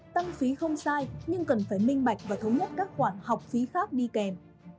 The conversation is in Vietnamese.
tăng phí không sai nhưng cần phải minh bạch và thống nhất các khoản học phí khác đi kèm